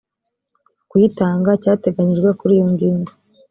kuyitanga cyateganyijwe kuri iyo ngingo